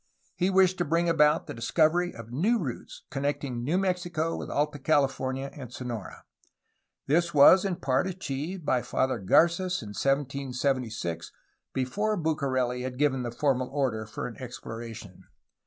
He wished to bring about the discovery of new routes connecting New Mexico with Alta California and Sonora. This was in part achieved by Father Garc^s in 1776 before Bucareli had given the formal order for an exploration.